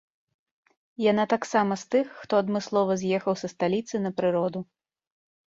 Яна таксама з тых, хто адмыслова з'ехаў са сталіцы на прыроду.